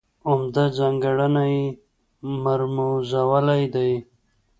عمده ځانګړنه یې مرموزوالی دی.